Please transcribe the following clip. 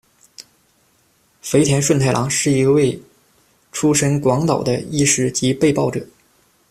肥田舜太郎，是一位出身广岛的医师及被爆者。